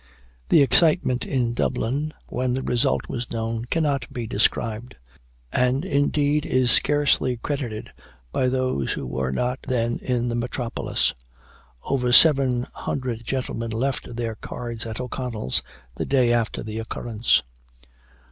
The excitement in Dublin, when the result was known, cannot be described; and, indeed, is scarcely credited by those who were not then in the metropolis. Over seven hundred gentlemen left their cards at O'Connell's the day after the occurrence.